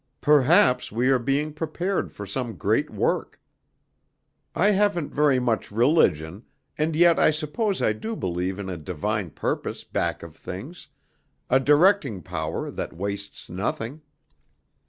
Perhaps we are being prepared for some great work. I haven't very much religion, and yet I suppose I do believe in a divine purpose back of things, a directing power that wastes nothing.